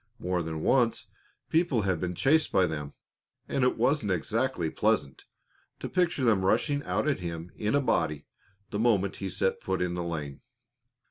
More than once people had been chased by them, and it wasn't exactly pleasant to picture them rushing out at him in a body the moment he set foot in the lane.